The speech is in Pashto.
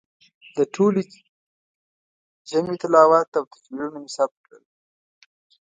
د ټولې جمعې تلاوت او تکبیرونه مې ثبت کړل.